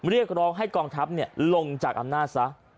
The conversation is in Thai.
เรียกร้องให้กองทัพลงจากอำนาจซะ